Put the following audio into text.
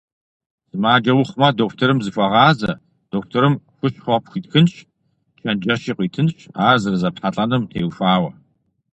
Сымаджэ ухъумэ, дохутырым зыхуэгъазэ, дохутырым хущхъуэ пхуитхынщ, чэнджэщи къуитынщ ар зэрызэпхьэлӀэнум теухуауэ.